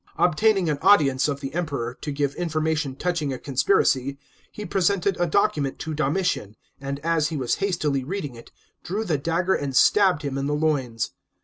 Obtaining an audience of the Emperor, to give information touching a conspiracy, he presented a document to Domitian, and as he was hastily reading it, drew the dagger and stabbed him in the loins.